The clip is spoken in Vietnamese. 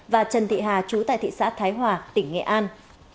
và trần thị hà chú tại thị xã thái hòa tỉnh nghệ an